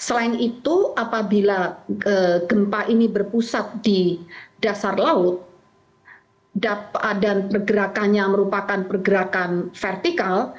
selain itu apabila gempa ini berpusat di dasar laut dan pergerakannya merupakan pergerakan vertikal